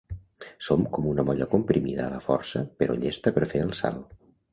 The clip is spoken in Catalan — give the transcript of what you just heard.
Som com una molla comprimida a la força però llesta per fer el salt.